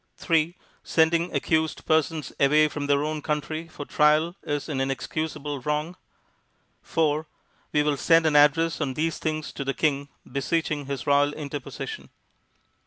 3. Sending accused persons away from their own country for trial is an inexcusable wrong. 4. We will send an address on these things to the King beseeching his royal interposition.